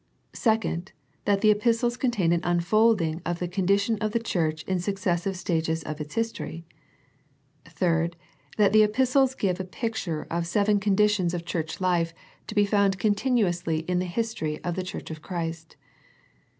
Second, that the epistles contain an unfolding of the condition of the Church in successive stages of its history. Third, that the epistles give a picture of seven conditions of Church 1 2 Introductory life to be found continuously in the history of the Church of Christ.